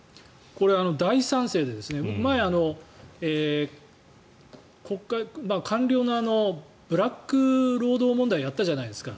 これ、大賛成で前、官僚のブラック労働問題をやったじゃないですか。